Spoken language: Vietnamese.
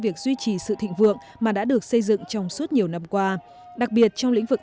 việc duy trì sự thịnh vượng mà đã được xây dựng trong suốt nhiều năm qua đặc biệt trong lĩnh vực